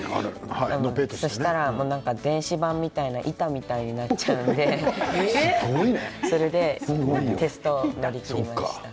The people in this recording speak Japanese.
そうしたら電子板みたいな板みたいになっちゃうので、それでテスト乗り切りました。